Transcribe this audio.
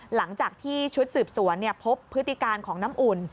หลังจากที่ชุดสืบสวนพบพฤติการของน้ำอุ่น